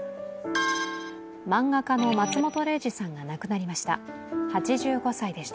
漫画家の松本零士さんが亡くなりました。